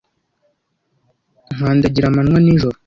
Nkandagira amanywa n'ijoro.